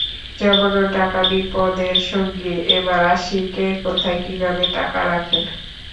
জমানো টাকা বিপদের সঙ্গী এবার আসি, কে কোথায় কীভাবে টাকা রাখেন।